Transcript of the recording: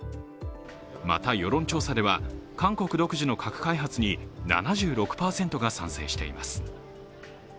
また、世論調査では韓国独自の核開発に７６％が賛成しています。